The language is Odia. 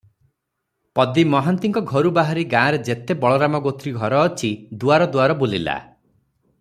ପଦୀ ମହାନ୍ତିଙ୍କ ଘରୁ ବାହାରି ଗାଁରେ ଯେତେ ବଳରାମଗୋତ୍ରୀ ଘର ଅଛି, ଦୁଆର ଦୁଆର ବୁଲିଲା ।